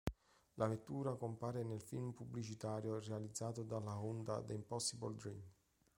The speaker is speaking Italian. La vettura compare nel film pubblicitario realizzato dalla Honda "The Impossible Dream".